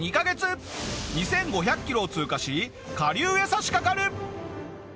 ２５００キロを通過し下流へ差しかかる。